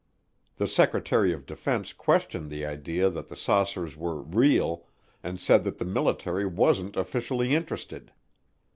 The Secretary of Defense questioned the idea that the saucers were "real" and said that the military wasn't officially interested.